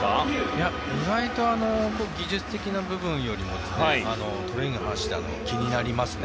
いや、意外と技術的な部分よりもトレーニングの話が気になりますね。